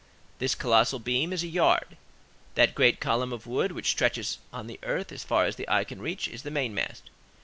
This colossal beam is a yard; that great column of wood which stretches out on the earth as far as the eye can reach is the main mast.